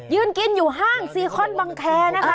ยืนกินอยู่ห้างซีคอนบังแคร์นะคะ